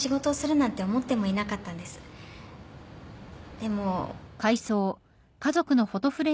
でも。